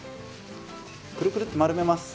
くるくるっと丸めます。